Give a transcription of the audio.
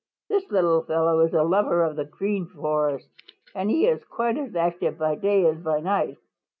"This little fellow is a lover of the Green Forest, and he is quite as active by day as by night.